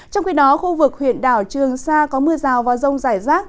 trong khi đó khu vực huyện đảo trường sa có mưa rào và rông rải rác